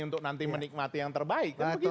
untuk nanti menikmati yang terbaik